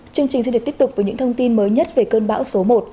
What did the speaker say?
chương trình xin được tiếp tục với những thông tin mới nhất về cơn bão số một